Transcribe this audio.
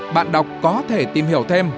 bạn đọc có thể tìm hiểu thêm